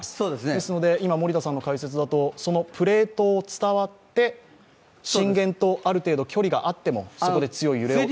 ですので、森田さんの今の解説だとプレートを伝わって、震源とある程度距離があっても、そこで強い揺れを？